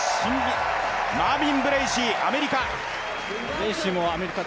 マービン・ブレーシー、アメリカ。